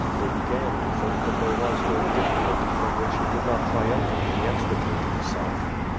They began to think that there was no difViculty from which he could not trium])hantly extricate himself.